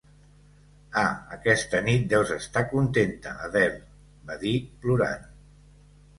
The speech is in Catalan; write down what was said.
"Ah, aquesta nit deus estar contenta, Adele", va dir plorant.